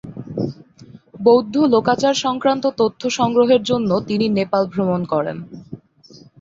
বৌদ্ধ লোকাচার সংক্রান্ত তথ্য সংগ্রহের জন্য তিনি নেপাল ভ্রমণ করেন।